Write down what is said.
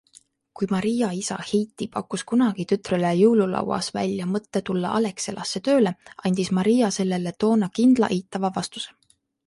Kui Maria isa Heiti pakkus kunagi tütrele jõululauas välja mõtte tulla Alexelasse tööle, andis Maria sellele toona kindla eitava vastuse.